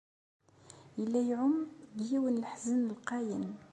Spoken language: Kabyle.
Yella iεumm deg yiwen n leḥzen lqayen.